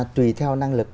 tùy theo năng lực